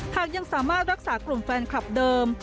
หากยังสามารถรักษากลุ่มแฟนคลับเดิม